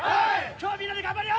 今日はみんなで頑張るよ！